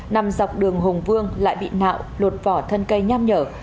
nằm dọc đường hồng vương lại bị nạo lột vỏ thân cây nham nhở